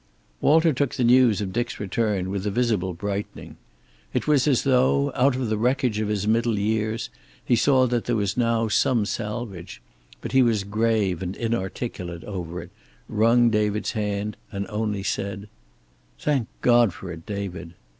Walter took the news of Dick's return with a visible brightening. It was as though, out of the wreckage of his middle years, he saw that there was now some salvage, but he was grave and inarticulate over it, wrung David's hand and only said: "Thank God for it, David."